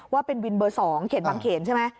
ว่าเป็นวินเบอร์๒เขตบางเขนใช่ไหม